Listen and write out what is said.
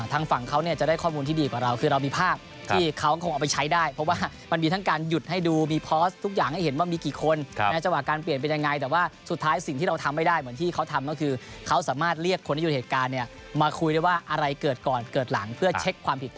ทางฝั่งเขาเนี่ยจะได้ข้อมูลที่ดีกว่าเราคือเรามีภาพที่เขาคงเอาไปใช้ได้เพราะว่ามันมีทั้งการหยุดให้ดูมีพอสทุกอย่างให้เห็นว่ามีกี่คนในจังหวะการเปลี่ยนเป็นยังไงแต่ว่าสุดท้ายสิ่งที่เราทำไม่ได้เหมือนที่เขาทำก็คือเขาสามารถเรียกคนที่อยู่เหตุการณ์เนี่ยมาคุยได้ว่าอะไรเกิดก่อนเกิดหลังเพื่อเช็คความผิด